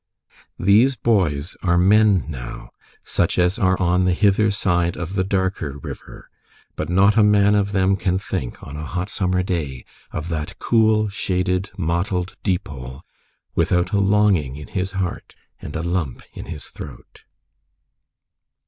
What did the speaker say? These boys are men now, such as are on the hither side of the darker river, but not a man of them can think, on a hot summer day, of that cool, shaded, mottled Deepole, without a longing in his heart and a lump in his throat.